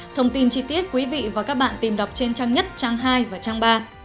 thông tin chi tiết quý vị và các bạn tìm đọc trên trang nhất trang hai và trang ba